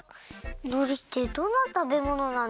のりってどんなたべものなんですか？